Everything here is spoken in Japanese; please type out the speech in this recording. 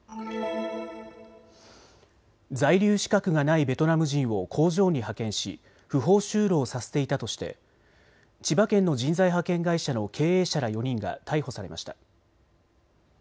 在留資格がないベトナム人を工場に派遣し不法就労させていたとして千葉県の人材派遣会社の経営者ら４人が逮捕されました。